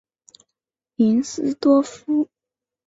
林斯多夫。